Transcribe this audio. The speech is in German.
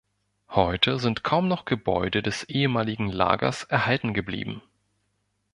Heute sind kaum noch Gebäude des ehemaligen Lagers erhalten geblieben.